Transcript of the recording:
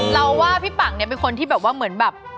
เราว่าพี่ปังเนี่ยเป็นคนที่แบบว่าเหมือนแบบ